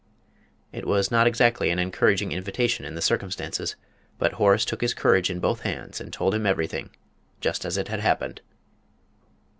It was not exactly an encouraging invitation in the circumstances, but Horace took his courage in both hands and told him everything, just as it had happened.